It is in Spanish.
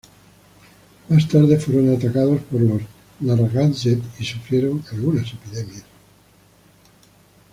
Más tarde fueron atacados por los narragansett y sufrieron algunas epidemias.